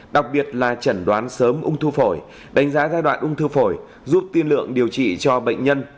đặc biệt là chẩn đoán sớm ung thư phổi đánh giá giai đoạn ung thư phổi giúp tiên lượng điều trị cho bệnh nhân